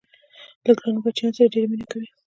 له ګرانو بچیانو سره ډېره مینه کوي.